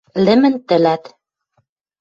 Лӹмӹн тӹлӓт